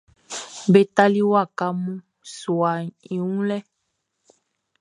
Be tali waka mun suaʼn i wun lɛ.